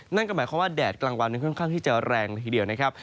นั่นก็หมายความว่าแดดกลางวันค่อนข้างที่จะแรงละทีเดียวนะครับ